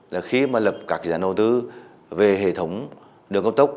là khi mà lập các gián đầu tư về hệ thống đường cao tốc